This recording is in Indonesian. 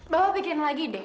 bawa bikin lagi deh